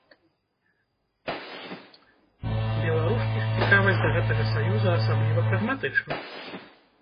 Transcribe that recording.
Беларускі ж цікавасць да гэтага саюза асабліва прагматычны.